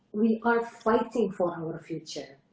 kita berjuang untuk masa depan kita